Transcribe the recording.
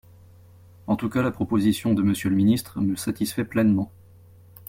En tout cas, la proposition de Monsieur le ministre me satisfait pleinement.